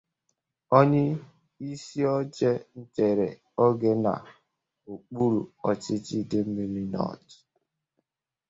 onyeisi oche nchere oge n'okpuru ọchịchị Idemili North